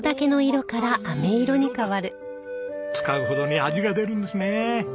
使うほどに味が出るんですね。